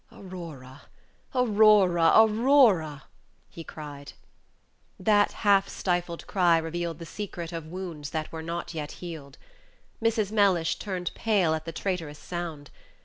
"Aurora! Aurora! Aurora!" he cried. That half stifled cry revealed the secret of wounds that were not yet healed. Mrs. Mellish turned pale at the traitorous sound.